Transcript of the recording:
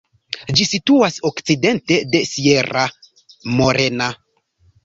Ĝi situas okcidente de Sierra Morena.